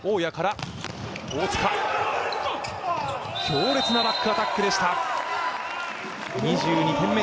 強烈なバックアタックでした。